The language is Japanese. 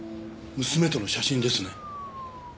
娘との写真ですね？